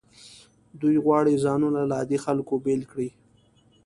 دوی غواړي ځانونه له عادي خلکو بیل کړي.